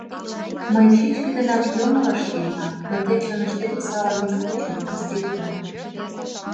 — Мый чӱчкыдынак йоҥылыш лийынам, но тый чоныштет осалым ит кучо, проститле.